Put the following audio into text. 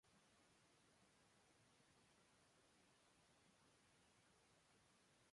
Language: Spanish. Nancy vivía en Marsella cuando Alemania invadió el país.